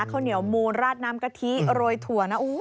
ข้าวเหนียวมูลราดน้ำกะทิโรยถั่วนะ